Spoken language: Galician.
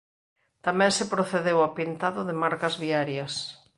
Tamén se procedeu ao pintado de marcas viarias.